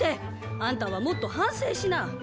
あんたはもっと反省しな。